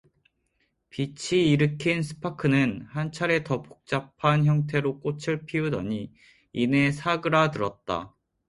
빛이 일으킨 스파크는 한 차례 더 복잡한 형태로 꽃을 피우더니, 이내 사그라들었다.